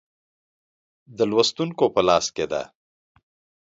د لوستونکو په لاس کې ده.